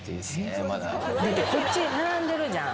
だってこっち並んでるじゃん